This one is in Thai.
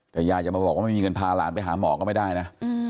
แต่ยายจะมาบอกว่าไม่มีเงินพาหลานไปหาหมอก็ไม่ได้นะ